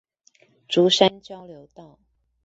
竹山交流道